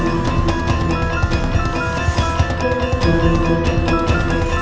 menurut resipi mereka ingin melakukan sesuatu yang paling jadi dan sangat sengaja